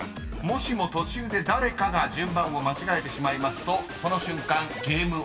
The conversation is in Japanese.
［もしも途中で誰かが順番を間違えてしまいますとその瞬間ＧＡＭＥＯＶＥＲです。